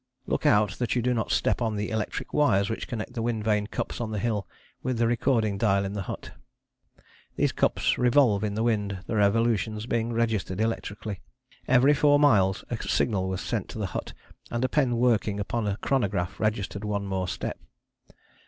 Look out that you do not step on the electric wires which connect the wind vane cups on the hill with the recording dial in the hut. These cups revolve in the wind, the revolutions being registered electrically: every four miles a signal was sent to the hut, and a pen working upon a chronograph registered one more step.